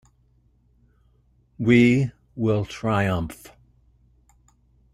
We will triumph.